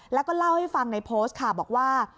แล้วก็เล่าให้ฟังในโพสต์ค่ะบอกว่า